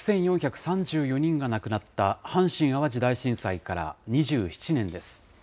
６４３４人が亡くなった阪神・淡路大震災から２７年です。